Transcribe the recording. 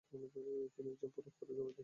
তিনি একজন পরোপকারী জমিদার ছিলেন।